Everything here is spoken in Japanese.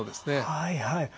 はいはい。